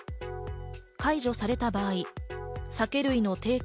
解除された場合、酒類の提供